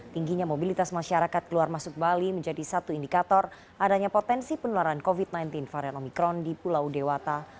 tingginya mobilitas masyarakat keluar masuk bali menjadi satu indikator adanya potensi penularan covid sembilan belas varian omikron di pulau dewata